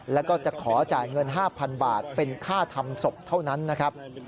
แล้วก็จะขอจ่ายเงิน๕๐๐๐บาทเป็นค่าทำศพเท่านั้นนะครับ